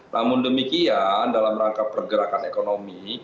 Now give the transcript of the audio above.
namun demikian dalam rangka pergerakan ekonomi